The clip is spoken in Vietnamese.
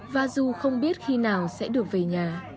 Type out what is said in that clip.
và dù không biết khi nào sẽ được về nhà